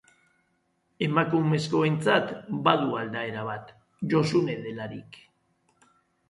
Emakumezkoentzat badu aldaera bat: Josune delarik.